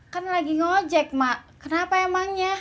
kan lagi ngol ojak mak kenapa emangnya